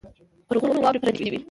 پر غرونو واورې پرتې وې.